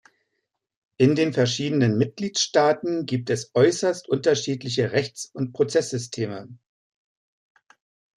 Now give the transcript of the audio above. In den verschiedenen Mitgliedstaaten gibt es äußerst unterschiedliche Rechts- und Prozesssysteme.